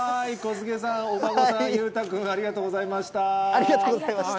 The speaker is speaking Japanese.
ありがとうございます。